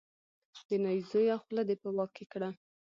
د نايي زویه خوله دې په واک کې کړه.